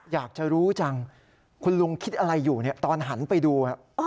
อยากจะรู้จังคุณลุงคิดอะไรอยู่ตอนหันไปดู